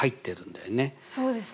そうですね。